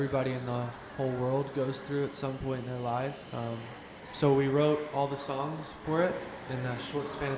jadi kami menulis album tentangnya